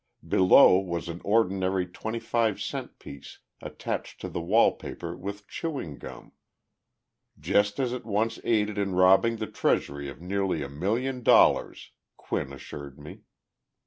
Below was an ordinary twenty five cent piece, attached to the wall paper with chewing gum "just as it once aided in robbing the Treasury of nearly a million dollars," Quinn assured me.